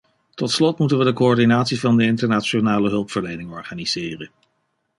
Tot slot moeten we de coördinatie van de internationale hulpverlening organiseren.